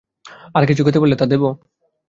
আর কিছু খেতে পারলে তা দেব?